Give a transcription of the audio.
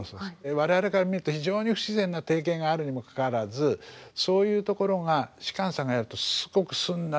我々から見ると非常に不自然な定型があるにもかかわらずそういうところが芝さんがやるとすごくすんなり行くんですよ。